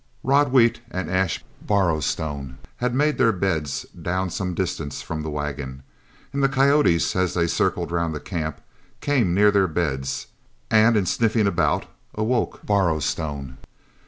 Rod Wheat and Ash Borrowstone had made their beds down some distance from the wagon; the coyotes as they circled round the camp came near their bed, and in sniffing about awoke Borrowstone.